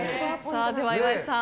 では岩井さん